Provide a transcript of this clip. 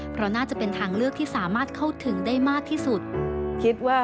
เพราะน่าจะเป็นทางเลือกที่สามารถเข้าถึงได้มากที่สุดคิดว่า